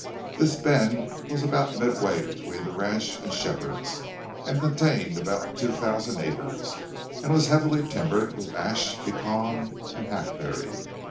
This bend was about midway between the ranch and Shepherd's, contained about two thousand acres, and was heavily timbered with ash, pecan, and hackberry.